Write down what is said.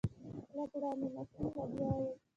لږ وړاندې ماشین لګیا و.